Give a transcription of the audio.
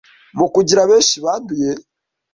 mu kugira benshi banduye